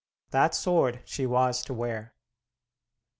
That sword she was to wear.